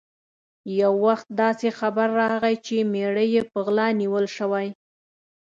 یو وخت داسې خبر راغی چې مېړه یې په غلا نیول شوی.